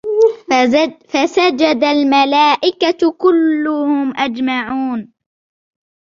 فسجد الملائكة كلهم أجمعون